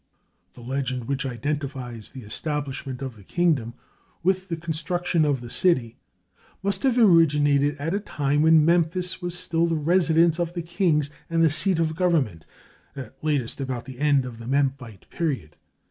The legend which identifies the establishment of the kingdom with the construction of the city, must have originated at a time when Memphis was still the residence of the kings and the seat of government, at latest about the end of the Memphite period.